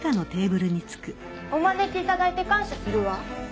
お招きいただいて感謝するわ。